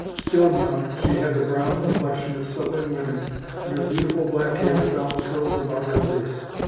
Still young, she had the brown complexion of Southern women, and her beautiful black hair fell in curls about her face.